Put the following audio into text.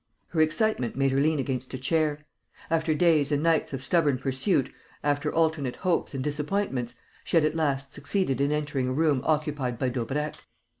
Her excitement made her lean against a chair. After days and nights of stubborn pursuit, after alternate hopes and disappointments, she had at last succeeded in entering a room occupied by Daubrecq.